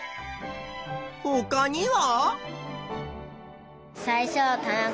ほかには？